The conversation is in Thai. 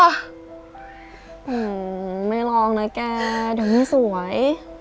อืมไม่ลองนะแกเดี๋ยวไม่สวย